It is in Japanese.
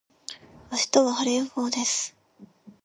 明日は晴れ予報です。